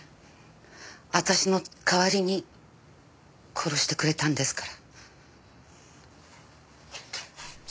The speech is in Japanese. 私の代わりに殺してくれたんですから。